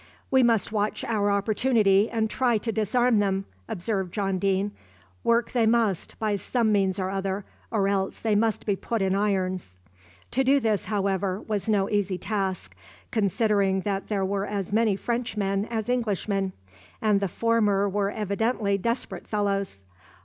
"We must watch our opportunity, and try to disarm them," observed John Deane. "Work they must, by some means or other, or else they must be put in irons." To do this, however, was no easy task, considering that there were as many Frenchmen as Englishmen, and the former were evidently desperate fellows.